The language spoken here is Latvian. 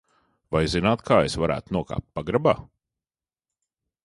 Vai zināt, kā es varētu nokāpt pagrabā?